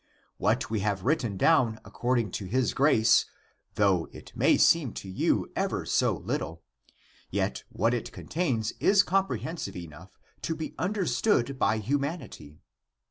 What we have written down accord ing to his grace, though it may seem to you ever so little, yet what it contains is comprehensive (enough) to be understood by humanity.